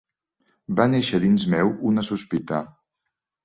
Va néixer dins meu una sospita.